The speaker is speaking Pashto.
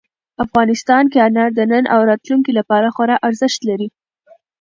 افغانستان کې انار د نن او راتلونکي لپاره خورا ارزښت لري.